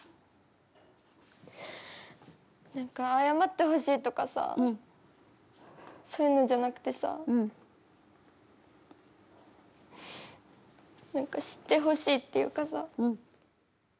なんか謝ってほしいとかさそういうのじゃなくてさなんか知ってほしいっていうかさ。